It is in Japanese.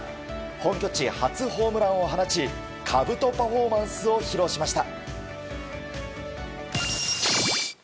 本拠地初ホームランを放ちかぶとパフォーマンスを披露しました。